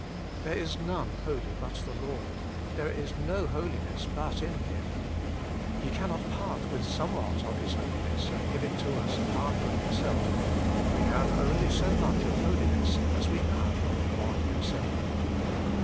There is none holy but the Lord ; there is no holiness but in Him. He cannot part with somewhat of His holiness, and give it to us apart from Himself ; we have only so much of holiness as we have of God Himself.